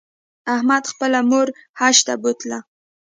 احمد خپله مور حج ته بوتله